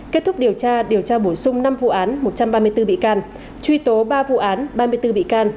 kết thúc điều tra điều tra bổ sung năm vụ án một trăm ba mươi bốn bị can truy tố ba vụ án ba mươi bốn bị can